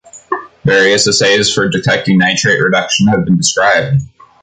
Various assays for detecting nitrate reduction have been described.